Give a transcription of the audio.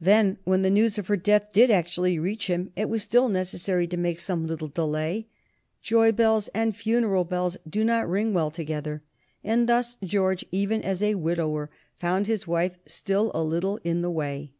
Then, when the news of her death did actually reach him, it was still necessary to make some little delay joy bells and funeral bells do not ring well together and thus George, even as a widower, found his wife still a little in the way.